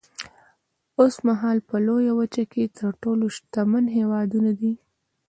اوسمهال په لویه وچه کې تر ټولو شتمن هېوادونه دي.